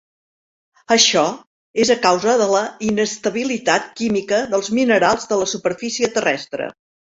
Això és a causa de la inestabilitat química dels minerals de la superfície terrestre.